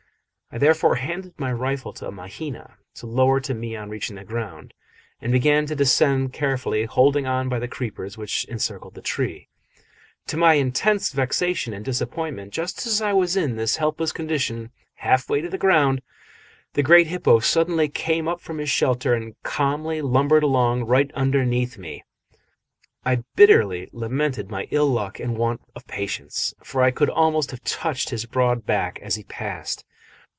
I therefore handed my rifle to Mahina to lower to me on reaching the ground, and began to descend carefully, holding on by the creepers which encircled the tree. To my intense vexation and disappointment, just as I was in this helpless condition, half way to the ground, the great hippo suddenly came out from his shelter and calmly lumbered along right underneath me. I bitterly lamented my ill luck and want of patience, for I could almost have touched his broad back as he passed.